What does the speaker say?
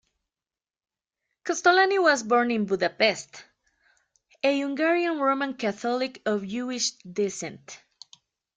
Kostolany was born in Budapest, a Hungarian Roman Catholic of Jewish descent.